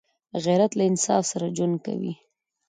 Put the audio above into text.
غیرت له انصاف سره ژوند کوي